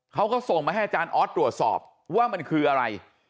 เขาก็ส่งมาให้อาจารย์ออสตรวจสอบว่ามันคืออะไร